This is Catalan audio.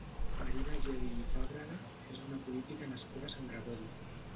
Marina Geli i Fàbrega és una política nascuda a Sant Gregori.